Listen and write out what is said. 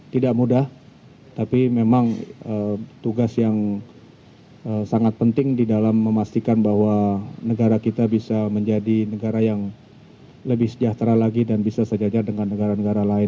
tidak mudah tapi memang tugas yang sangat penting di dalam memastikan bahwa negara kita bisa menjadi negara yang lebih sejahtera lagi dan bisa sejajar dengan negara negara lain